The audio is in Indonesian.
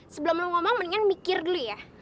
sebelum lo ngomong mendingan mikir dulu ya